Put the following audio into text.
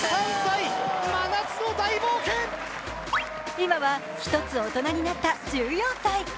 今は１つ大人になった１４歳。